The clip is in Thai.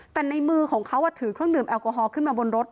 แต่ในมือของเขาถือเครื่องดื่มแอลกอฮอลขึ้นมาบนรถ